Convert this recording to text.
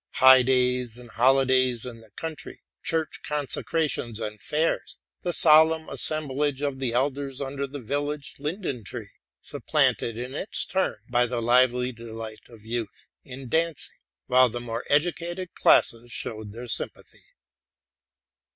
High days and holidays in the country, church conse erations and fairs, the solemn assemblage of the elders under the village linden tree, supplanted in its turn by the lively delight of youth in dancing, while the more educated classes show their sympathy.